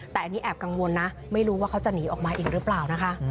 แต่อันนี้แอบกังวลนะ